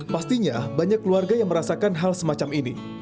pastinya banyak keluarga yang merasakan hal semacam ini